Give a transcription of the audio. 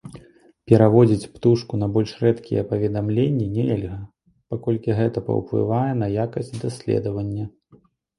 Пераводзіць птушку на больш рэдкія паведамленні нельга, паколькі гэта паўплывае на якасць даследавання.